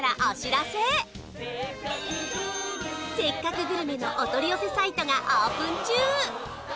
「せっかくグルメ！！」のお取り寄せサイトがオープン中